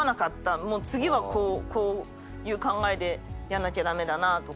もう次はこういう考えでやんなきゃ駄目だなとか。